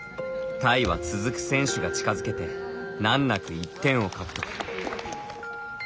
タイは続く選手が近づけて難なく１点を獲得。